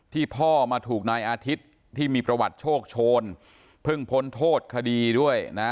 พ่อมาถูกนายอาทิตย์ที่มีประวัติโชคโชนเพิ่งพ้นโทษคดีด้วยนะ